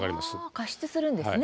加湿するんですね。